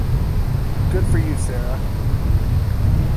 Good for you, Sarah!